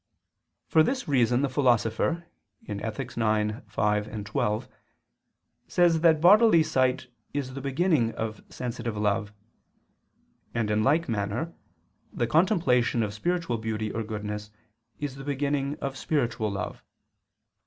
For this reason the Philosopher (Ethic. ix, 5, 12) says that bodily sight is the beginning of sensitive love: and in like manner the contemplation of spiritual beauty or goodness is the beginning of spiritual love.